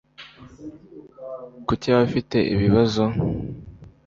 Kuki yaba afite ibibazo?